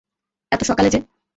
এত সকালে যে?